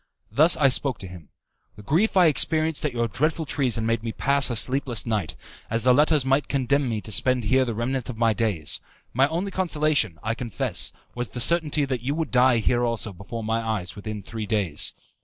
Thus I spoke to him: "The grief I experienced at your dreadful treason made me pass a sleepless night, as the letters might condemn me to spend here the remnant of my days. My only consolation, I confess, was the certainty that you would die here also before my eyes within three days.